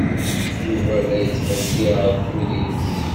Yuba la yettḍeyyiɛ akud-nnes.